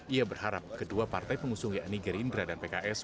ia berharap kedua partai pengusungnya ani gerindra dan pks